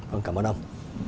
vâng cảm ơn ông